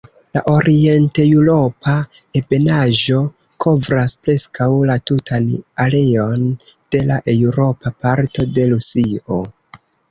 La orienteŭropa ebenaĵo kovras preskaŭ la tutan areon de la eŭropa parto de Rusio.